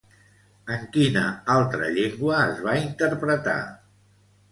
En quina altra llengua es va interpretar?